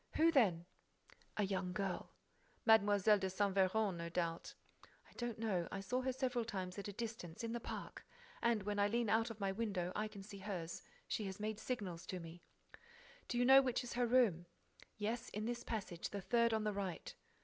"Who then?" "A young girl." "Mlle. de Saint Véran, no doubt." "I don't know—I saw her several times at a distance, in the park—and, when I lean out of my window, I can see hers. She has made signals to me." "Do you know which is her room?" "Yes, in this passage, the third on the right."